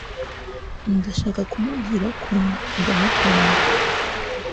Ndashaka kumubwira ko ndamukunda